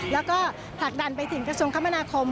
แล้วก็ผลักดันไปถึงกระทรวงคมนาคม